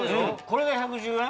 これが１１０円？